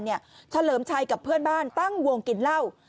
เฉลิมชัยกับเพื่อนบ้านตั้งวงกินเหล้า